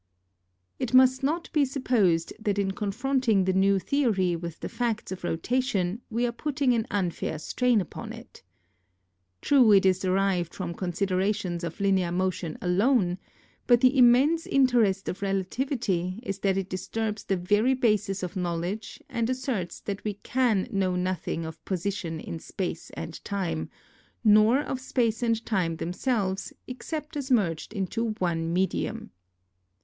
It must not be supposed that in confronting the new theory with the facts of rotation, we are putting an unfair strain' upon it. True, it is derived from con siderations of linear motion alone, but the immense interest of relativity is that it disturbs the very basis of knowledge and asserts that we can know nothing of position in space and time ; nor of space and time them selves except as merged into one medium.